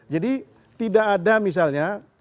jadi tidak ada misalnya